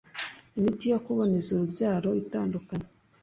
Imiti yo kuboneza urubyaro itandukanye